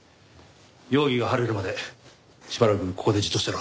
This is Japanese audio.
容疑が晴れるまでしばらくここでじっとしてろ。